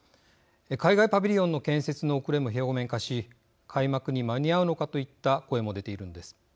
海外パビリオンの建設の遅れも表面化し開幕に間に合うのかといった声も出ているのです。